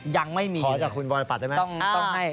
ยังไม่มีขอจากคุณวรปัตย์ได้ไหม